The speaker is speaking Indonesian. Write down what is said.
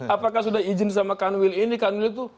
apakah sudah izin sama kanwil ini kanwil itu